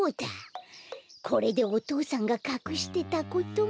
これでお父さんがかくしてたことも。